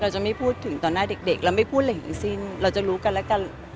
จะไม่พูดถึงต่อหน้าเด็กเราไม่พูดอะไรทั้งสิ้นเราจะรู้กันและกัน